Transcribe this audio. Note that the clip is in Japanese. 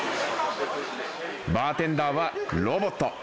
バーテンダーはロボット。